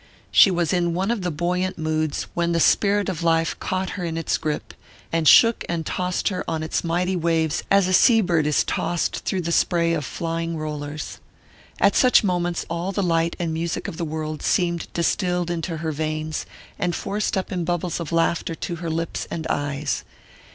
She was in one of the buoyant moods when the spirit of life caught her in its grip, and shook and tossed her on its mighty waves as a sea bird is tossed through the spray of flying rollers. At such moments all the light and music of the world seemed distilled into her veins, and forced up in bubbles of laughter to her lips and eyes.